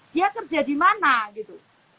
dia kerja di mana gitu